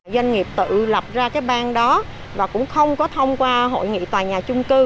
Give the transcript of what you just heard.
doanh nghiệp tự lập ra cái bang đó và cũng không có thông qua hội nghị tòa nhà chung cư